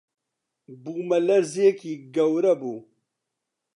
بوومەلەرزەیێکی گەورە بوو